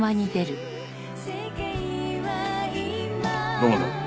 土門だ。